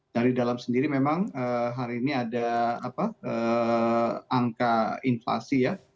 dari dalam sendiri memang hari ini ada angka inflasi ya